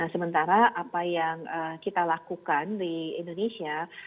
sementara apa yang kita lakukan di indonesia